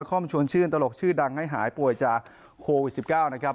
ชวนชื่นตลกชื่อดังให้หายป่วยจากโควิด๑๙นะครับ